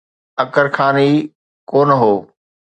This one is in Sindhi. اڪر خان ئي ڪو نه هو.